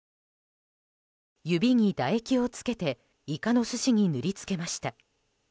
指に唾液をつけてイカの寿司に塗り付けました。